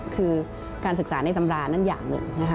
คือการศึกษาในตำรานั่นอย่างหนึ่งนะคะ